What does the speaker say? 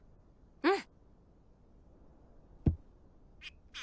うん！